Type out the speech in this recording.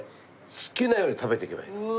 好きなように食べていけばいい。